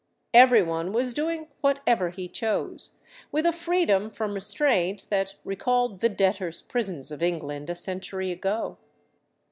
Every one was doing whatever he chose, with a freedom from restraint that recalled the debtors' prisons of England a century ago.